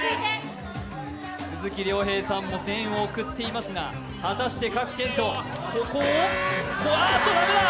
鈴木亮平さんも声援を送っていますが、果たして賀来賢人、ここをあっと駄目だ。